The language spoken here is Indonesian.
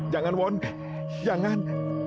jangan won jangan